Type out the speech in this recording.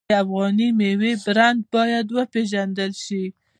د افغاني میوو برنډ باید وپیژندل شي.